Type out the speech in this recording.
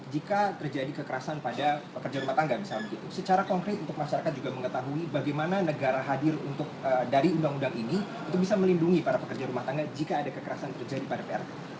jika terjadi kekerasan pada pekerja rumah tangga misalnya begitu secara konkret untuk masyarakat juga mengetahui bagaimana negara hadir untuk dari undang undang ini untuk bisa melindungi para pekerja rumah tangga jika ada kekerasan terjadi pada perpu